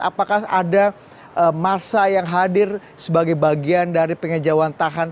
apakah ada masa yang hadir sebagai bagian dari pengejauhan tahan